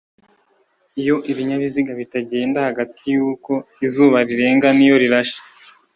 iyo ibinyabiziga bitagenda hagati yuko izuba rirenga n'iyo rirashe.